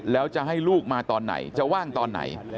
แล้วจะให้ลูกมาตอนไหนจะว่างตอนไหน